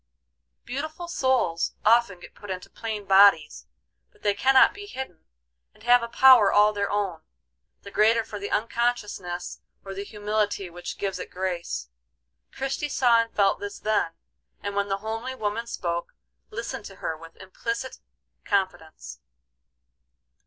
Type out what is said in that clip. Beautiful souls often get put into plain bodies, but they cannot be hidden, and have a power all their own, the greater for the unconsciousness or the humility which gives it grace. Christie saw and felt this then, and when the homely woman spoke, listened to her with implicit confidence.